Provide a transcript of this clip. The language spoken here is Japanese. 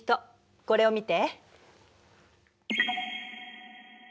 これを見て。